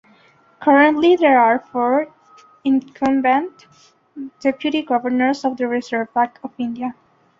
Currently there are four incumbent deputy governors of the Reserve Bank of India